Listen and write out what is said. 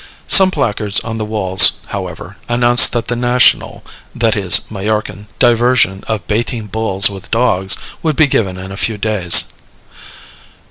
Some placards on the walls, however, announced that the national (that is, Majorcan) diversion of baiting bulls with dogs would be given in a few days.